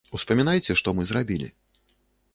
Успамінайце, што мы зрабілі.